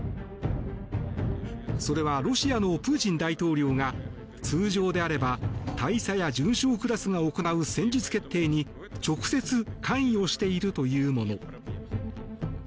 それはロシアのプーチン大統領が通常であれば大佐や准将クラスが行う戦術決定に直接、関与しているというもの。